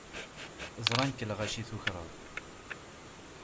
Zṛan-k lɣaci tukreḍ.